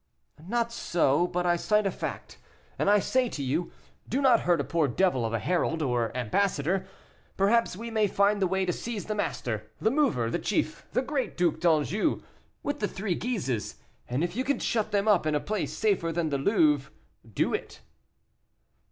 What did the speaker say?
"Not so, but I cite a fact; and I say to you, do not hurt a poor devil of a herald, or ambassador; perhaps we may find the way to seize the master, the mover, the chief, the great Duc d'Anjou, with the three Guises; and if you can shut them up in a place safer than the Louvre, do it."